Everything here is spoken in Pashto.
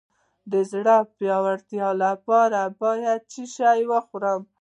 د زړه د پیاوړتیا لپاره باید څه شی وخورم؟